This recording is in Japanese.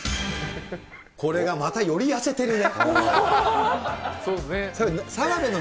これがより痩せてるね。